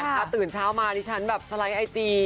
ถ้าตื่นเช้ามาดิฉันแบบสไลด์ไอจี